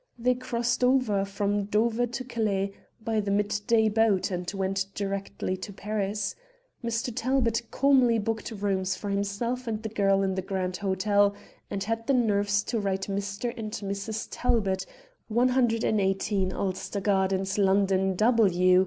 They crossed over from Dover to Calais by the midday boat, and went direct to Paris. Mr. Talbot calmly booked rooms for himself and the girl in the Grand Hotel, had the nerve to write 'Mr. and Mrs. Talbot, 118, Ulster Gardens, London, W.